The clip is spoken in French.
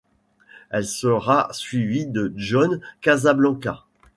Elle sera suivie de John Casablancas.